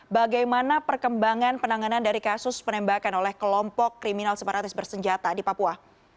bagaimana perkembangan penanganan dari kasus penembakan oleh kelompok kriminal separatis bersenjata di papua